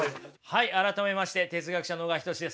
はい改めまして哲学者の小川仁志です。